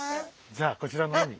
じゃあこちらの方に。